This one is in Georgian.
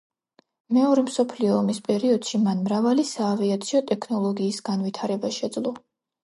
მეორე მსოფლიო ომის პერიოდში მან მრავალი საავიაციო ტექნოლოგიის განვითარება შეძლო.